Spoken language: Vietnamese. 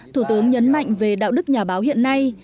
thủ tướng nhấn mạnh về đạo đức nhà báo hiện nay